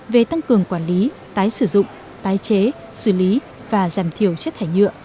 về tăng cường quản lý tái sử dụng tái chế xử lý và giảm thiểu chất thải nhựa